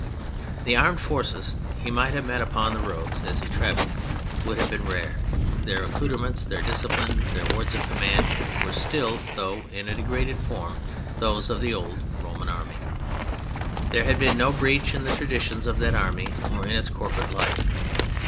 The armed forces he might have met upon the roads as he traveled would have been rare; their accoutrements, their discipline, their words of command, were still, though in a degraded form, those of the old Roman Army. There had been no breach in the traditions of that Army or in its corporate life.